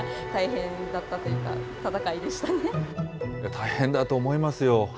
大変だと思いますよ。